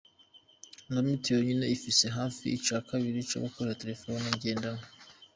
Lumitel yonyene ifise hafi ica kabiri c'abakoresha terefone ngendanwa.